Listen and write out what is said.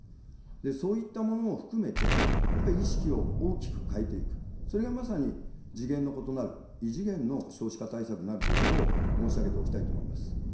そういったものも含めて、やっぱり意識を大きく変えていく、それがまさに次元の異なる、異次元の少子化対策になるということを申し上げておきたいと思います。